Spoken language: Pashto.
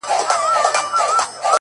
o خدایه معلوم یمه؛ منافقت نه کوم؛